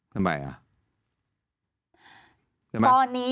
ทำไม